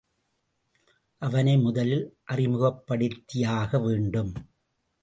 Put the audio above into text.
அவனை முதலில் அறிமுகப்படுத்தியாக வேண்டும்.